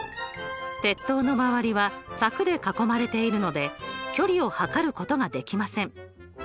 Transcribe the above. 鉄塔の周りは柵で囲まれているので距離を測ることができません。